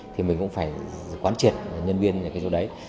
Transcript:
thì mình cũng phải quán triệt nhân viên những cái chỗ đấy